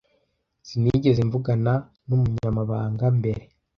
Sinigeze mvugana numunyamahanga mbere.